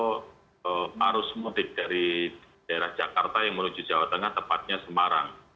untuk arus mudik dari daerah jakarta yang menuju jawa tengah tepatnya semarang